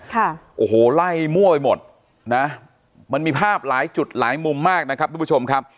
ค่ะโอ้โหไล่มั่วไปหมดนะมันมีภาพหลายจุดหลายมุมมากนะครับทุกผู้ชมครับ